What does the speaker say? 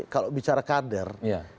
kalau bicara kader